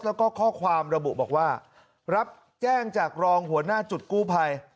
ในจูดกู้ภัยรับแจ้งจากรองหัวหน้าจุดกู้ภัย